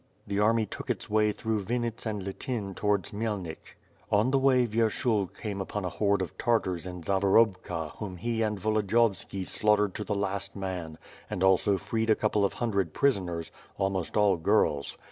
The army took its way through Winnits and Lityn towards Khmyelnik. On the way, Vyershul came upon a horde of Tartars in Zawer obka whom he and Volodiyovski slaughtered to the last man, and also freed a couple of hundred prisoners, almost all girls.